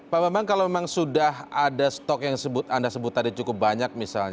pak bambang kalau memang sudah ada stok yang anda sebut tadi cukup banyak misalnya